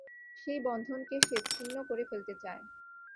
সেই বন্ধনকে সে ছিন্ন করে ফেলতে চায়।